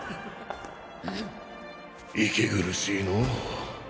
息苦しいのう。